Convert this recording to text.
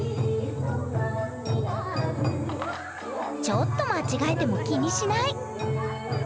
ちょっと間違えても気にしない！